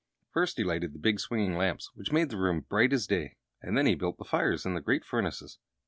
First, he lighted the big swinging lamps, which made the room bright as day, and then he built the fires in the great furnaces.